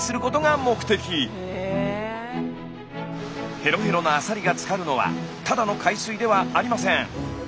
ヘロヘロなアサリがつかるのはただの海水ではありません。